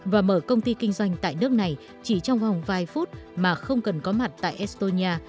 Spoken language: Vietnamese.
và mở công ty kinh doanh tại nước này chỉ trong vòng vài phút mà không cần có mặt tại estonia